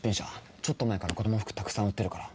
ちょっと前から子供服たくさん売ってるから。